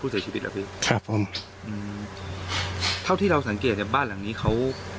เสียชีวิตเหรอพี่ครับผมอืมเท่าที่เราสังเกตจากบ้านหลังนี้เขา